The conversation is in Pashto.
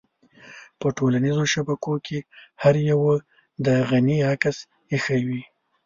په ټولنيزو شبکو کې هر يوه د غني عکس اېښی وي.